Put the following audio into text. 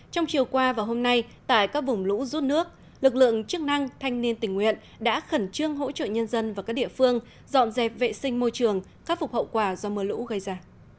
trong chiều qua và hôm nay tại các vùng lũ rút nước lực lượng chức năng thanh niên tình nguyện đã khẩn trương hỗ trợ nhân dân và các địa phương dọn dẹp vệ sinh môi trường khắc phục hậu quả do mưa lũ gây ra